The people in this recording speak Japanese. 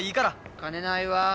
金ないわ。